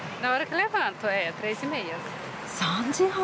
３時半。